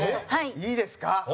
いいですか？